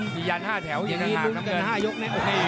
พยายาม๕แถวยังมีลุงกัน๕ยก